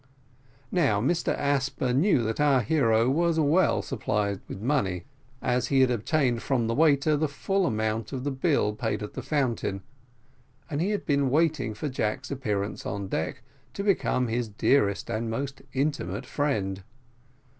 Now, Mr Asper knew that our hero was well supplied with money, as he had obtained from the waiter the amount of the bill paid at the Fountain, and he had been waiting for Jack's appearance on deck to become his very dearest and most intimate friend.